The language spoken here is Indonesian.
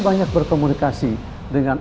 banyak berkomunikasi dengan